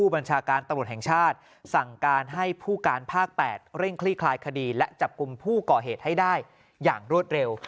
บัญชาการตำรวจแห่งชาติสั่งการให้ผู้การภาค๘เร่งคลี่คลายคดีและจับกลุ่มผู้ก่อเหตุให้ได้อย่างรวดเร็ว